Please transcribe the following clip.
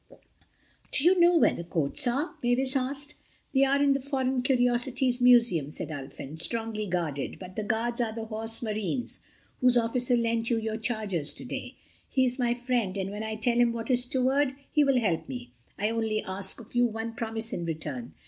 "Do you know where the coats are?" Mavis asked. "They are in the Foreign Curiosities Museum," said Ulfin, "strongly guarded: but the guards are the Horse Marines—whose officer lent you your chargers today. He is my friend, and when I tell him what is toward, he will help me. I only ask of you one promise in return.